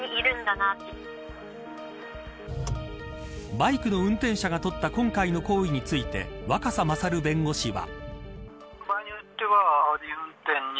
バイクの運転者がとった今回の行為について若狭勝弁護士は。